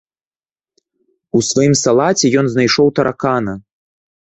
У сваім салаце ён знайшоў таракана.